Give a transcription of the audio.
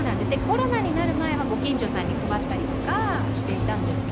コロナになる前はご近所さんに配ったりとかしていたんですけれども。